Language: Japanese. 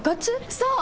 そう！